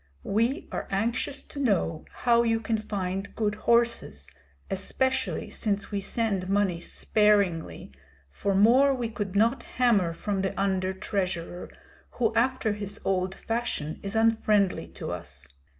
We are anxious to know how you can find good horses, especially since we send money sparingly, for more we could not hammer from the under treasurer, who after his old fashion is unfriendly to us.